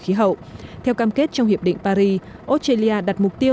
khí hậu theo cam kết trong hiệp định paris australia đặt mục tiêu